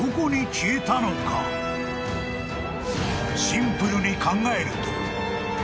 ［シンプルに考えると］